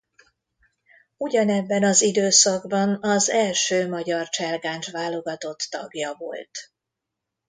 Ugyanebben az időszakban az első magyar cselgáncs-válogatott tagja volt.